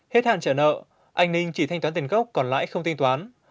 hết hạn trả nợ anh ninh chỉ thanh toán tiền gốc còn lãi không thanh toán